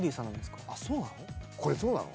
これそうなの？